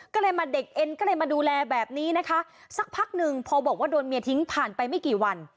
ก็เลยมาเด็กเอ็นก็เลยมาดูแลแบบนี้นะคะสักพักหนึ่งพอบอกว่าโดนเมียทิ้งผ่านไปไม่กี่วัน